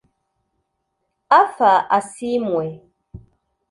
Arthur Asiimwe